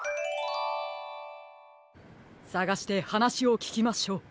さがしてはなしをききましょう。